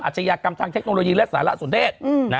อาจอยากกำชั่งเทคโนโลยีและศาละสุนเทศ